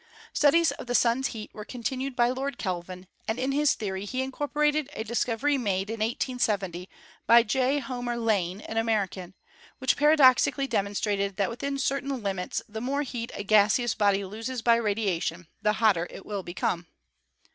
Studies of the Sun's heat were continued by Lord Kelvin, and in his theory he incorporated a dis covery made in 1870 by J. Homer Lane, an American, which paradoxically demonstrated that within certain limits the more heat a gaseous body loses by radiation the hotter it will become.